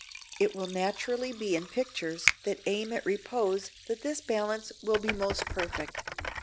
It will naturally be in pictures that aim at repose that this balance will be most perfect.